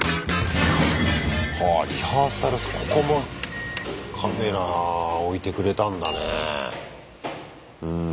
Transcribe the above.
はあリハーサルここもカメラ置いてくれたんだね。